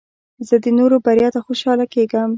زه د نورو بریا ته خوشحاله کېږم.